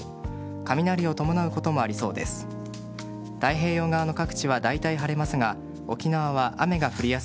雷を伴うこともありそうです。